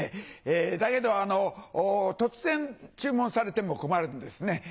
だけど突然注文されても困るんですね。